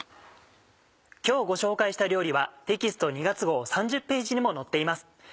今日ご紹介した料理はテキスト２月号３０ページにも載っています。